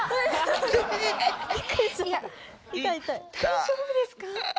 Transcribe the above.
いや大丈夫ですか？